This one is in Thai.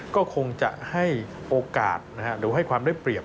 ก็คงจะให้โอกาสหรือให้ความได้เปรียบ